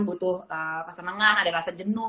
butuh kesenengan ada rasa jenuh